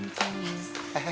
eh eh apaan nih